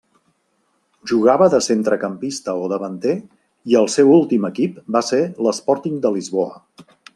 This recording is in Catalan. Jugava de centrecampista o davanter i el seu últim equip va ser l'Sporting de Lisboa.